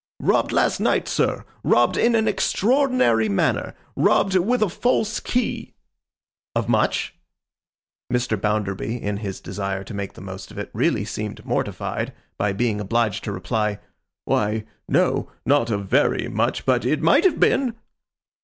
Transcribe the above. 'Robbed last night, sir. Robbed in an extraordinary manner. Robbed with a false key.' 'Of much?' Mr. Bounderby, in his desire to make the most of it, really seemed mortified by being obliged to reply, 'Why, no; not of very much. But it might have been.